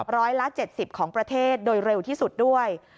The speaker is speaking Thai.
ร้อยละ๗๐ของประเทศโดยเร็วที่สุดด้วย